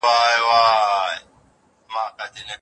دا پټی زموږ د ټولو د ژوند یوازینۍ هیله ده.